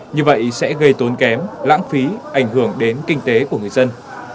như vậy sẽ gây tốn kém lãng phí ảnh hưởng đến kinh tế của người dân